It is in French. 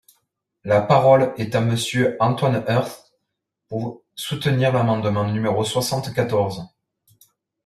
La parole est à Monsieur Antoine Herth, pour soutenir l’amendement numéro soixante-quatorze.